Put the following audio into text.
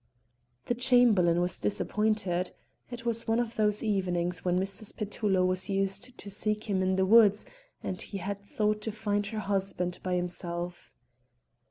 The Chamberlain was disappointed. It was one of those evenings when Mrs. Petullo was used to seek him in the woods, and he had thought to find her husband by himself.